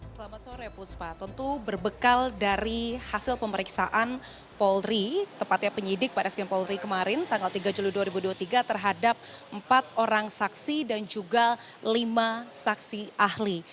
selamat sore puspa tentu berbekal dari hasil pemeriksaan polri tepatnya penyidik baris krim polri kemarin tanggal tiga juli dua ribu dua puluh tiga terhadap empat orang saksi dan juga lima saksi ahli